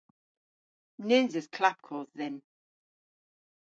Nyns eus klapkodh dhyn.